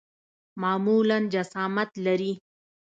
معمولاً جسامت لري.